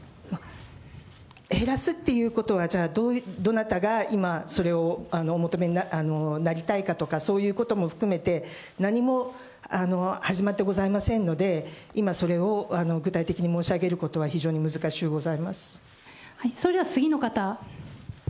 減らすっていうことは、じゃあ、どなたが今、それをお求めになりたいかとか、そういうことも含めて、何も始まってございませんので、今それを具体的に申し上げることは、それでは次の方。